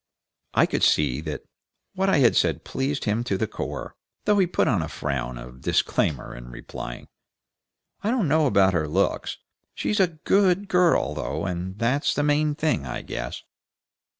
I could see that what I had said pleased him to the core, though he put on a frown of disclaimer in replying, "I don't know about her looks. She's a GOOD girl, though, and that's the main thing, I guess."